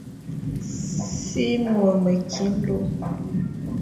Sè môr meti nlô.